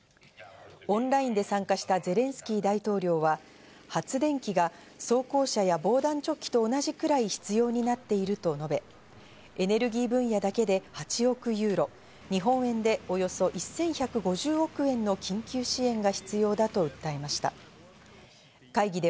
オンラインで参加したゼレンスキー大統領は発電機が装甲車や防弾チョッキと同じくらい必要になっていると述べ、エネルギー分野だけで８億ユーロ、日本円でおよそ１１５０億円の緊急支援が必要だと訴えました。